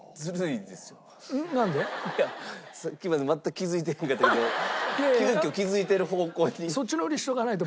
さっきまで全く気づいてへんかったけど急きょ気づいてる方向に。